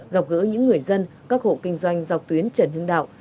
gặp gỡ những người dân các hộ kinh doanh dọc tuyến trần hưng đạo